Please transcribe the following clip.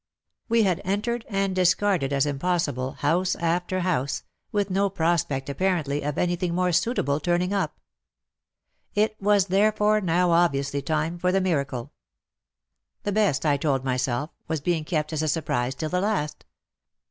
We had entered and discarded as impossible, house after house, with no prospect apparently of anything more suitable turning up. it was therefore now obviously time for the miracle. The best, I told myself, was being kept as a surprise till the last.